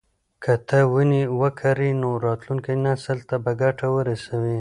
که ته ونې وکرې نو راتلونکي نسل ته به ګټه ورسوي.